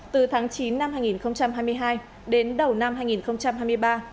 từ tháng chín năm hai nghìn hai mươi hai đến đầu năm hai nghìn hai mươi ba